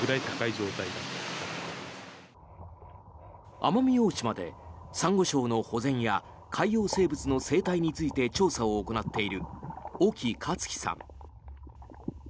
奄美大島でサンゴ礁の保全や海洋生物の生態について調査を行っている興克樹さん。